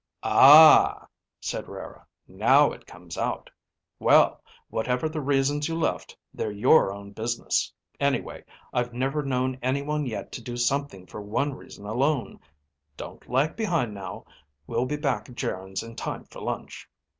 "Ah," said Rara. "Now it comes out. Well, whatever the reasons you left, they're your own business. Anyway, I've never known anyone yet to do something for one reason alone. Don't lag behind, now. We'll be back at Geryn's in time for lunch."